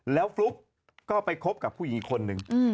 แล้วฟลุ๊กก็ไปคบกับผู้หญิงอีกคนนึง